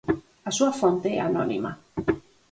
A súa fonte é anónima.